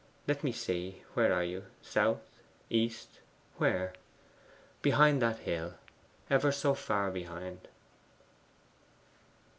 Let me see, where are you south, east, where? Behind that hill, ever so far behind!